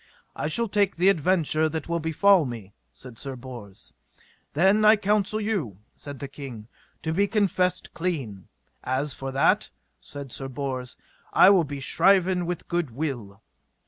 I shall take the adventure that will befall me, said Sir Bors. Then I counsel you, said the king, to be confessed clean. As for that, said Sir Bors, I will be shriven with a good will.